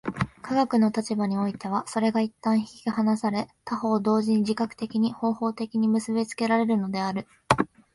科学の立場においてはそれが一旦引き離され、他方同時に自覚的に、方法的に結び付けられるのである。